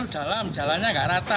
dalam jalannya gak rata